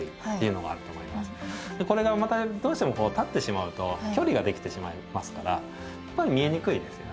これがまたどうしても立ってしまうと距離ができてしまいますからやっぱり見えにくいですよね。